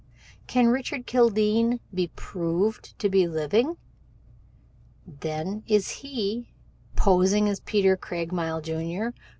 Can Richard Kildene be proved to be living? Then is he, posing as Peter Craigmile, Jr.